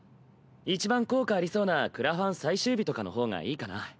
いちばん効果ありそうなクラファン最終日とかの方がいいかな？